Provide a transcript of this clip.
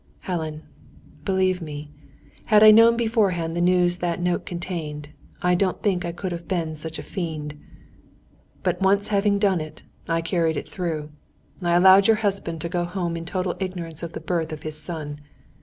"Helen, believe me, had I known beforehand the news that note contained, I don't think I could have been such a fiend. "But once having done it, I carried it through. I allowed your husband to go home in total ignorance of the birth of his son.